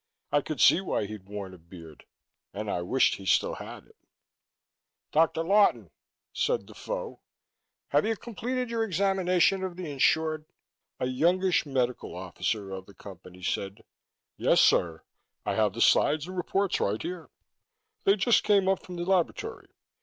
I could see why he'd worn a beard and I wished he still had it. "Dr. Lawton," said Defoe, "have you completed your examination of the insured?" A youngish medical officer of the Company said, "Yes, sir. I have the slides and reports right here; they just came up from the laboratory."